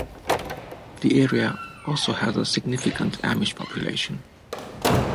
The area also has a significant Amish population.